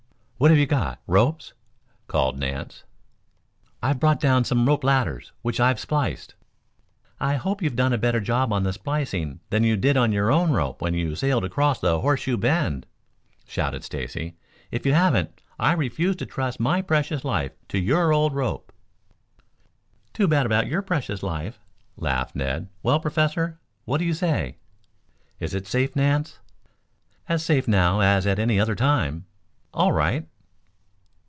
"What have you got, ropes?" called Nance. "I've brought down some rope ladders, which I have spliced " "I hope you've done a better job on the splicing than you did on your own rope when you sailed across the horseshoe bend," shouted Stacy. "If you haven't, I refuse to trust my precious life to your old rope." "Too bad about your precious life," laughed Ned. "Well, Professor, what do you say?" "Is it safe, Nance?" "As safe now as at any other time." "All right."